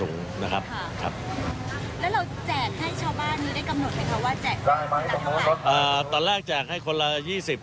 แล้วเราแจกให้ชาวบ้านได้กำหนดให้เขาว่าแจกตั้งแต่ไหน